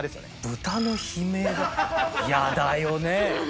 豚の悲鳴が嫌だよね。